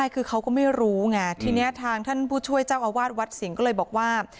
คือเขาก็ไม่รู้ไงทีนี้ทางท่านผู้ช่วยเจ้าอาวาสวัดสิงห์ก็เลยบอกว่า